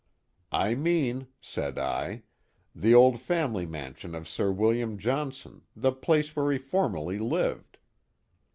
*'" I mean,'' said I, " the old family mansion of Sir William Johnson, the place where he formerly lived."